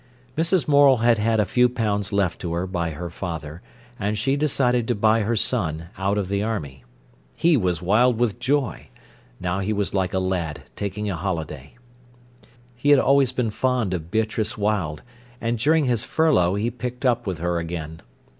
Mrs. Morel had had a few pounds left to her by her father, and she decided to buy her son out of the army. He was wild with joy. Now he was like a lad taking a holiday. He had always been fond of Beatrice Wyld, and during his furlough he picked up with her again.